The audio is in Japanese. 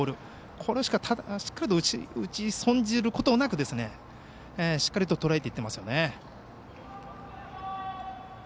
これを打ち損じることなくしっかりとらえていってますね。